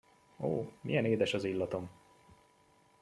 Ó, milyen édes az illatom!